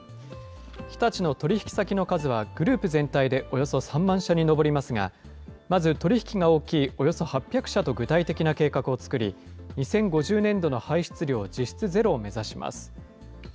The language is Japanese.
日立の取り引き先の数はグループ全体でおよそ３万社に上りますが、まず取り引きが大きいおよそ８００社と具体的な計画を作り、２０５０年度の排出量実質ゼロを目指します。